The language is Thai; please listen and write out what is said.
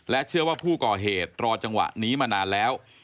เชื่อว่าผู้ก่อเหตุรอจังหวะนี้มานานแล้ว